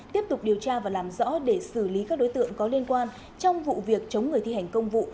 tiếp tục điều tra và làm rõ để xử lý các đối tượng có liên quan trong vụ việc chống người thi hành công vụ